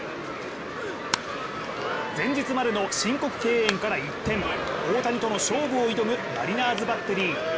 前日までの申告敬遠から一転大谷との勝負を挑むマリナーズバッテリー。